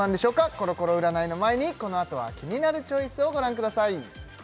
コロコロ占いの前にこのあとはキニナルチョイスをご覧ください